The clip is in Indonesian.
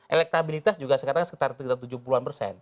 elektabilitas juga sekarang sekitar tujuh puluh an persen